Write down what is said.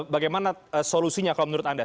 bagaimana solusinya kalau menurut anda